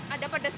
ada yang rasa